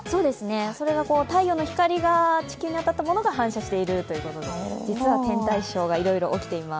それが太陽の光が地球に当たったものが反射しているということで実は天体ショーがいろいろ起きています。